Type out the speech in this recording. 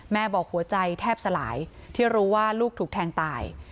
บอกหัวใจแทบสลายที่รู้ว่าลูกถูกแทงตาย